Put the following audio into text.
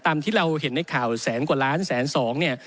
ตามที่เราเห็นในข่าวแสนกว่าล้านแสนสองเนี่ย